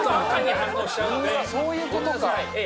うーわ、そういうことか。